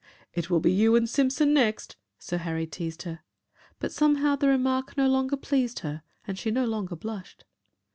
"It will be you and Simpson next," Sir Harry teased her. But somehow the remark no longer pleased her and she no longer blushed.